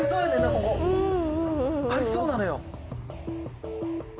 ここありそうなのよ